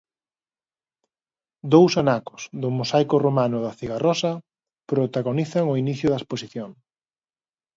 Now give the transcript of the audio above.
Dous anacos do mosaico romano da Cigarrosa protagonizan o inicio da exposición.